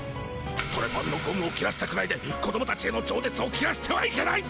トレパンのゴムを切らしたくらいで子どもたちへのじょうねつを切らしてはいけない！